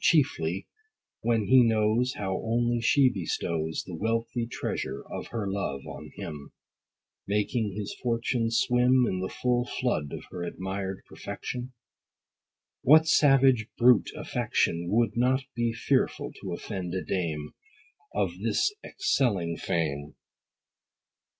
chiefly, when he knows How only she bestows The wealthy treasure of her love on him ; Making his fortune swim In the full flood of her admired perfection ? What savage, brute affection, Would not be fearful to offend a dame 100 Of this excelling frame